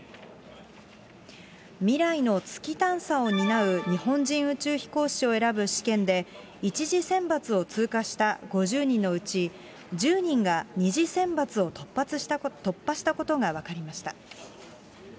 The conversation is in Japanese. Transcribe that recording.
未来の月探査を担う日本人宇宙飛行士を選ぶ試験で１次選抜を通過した５０人のうち、１０人が２次選抜を突破したことが分かりました。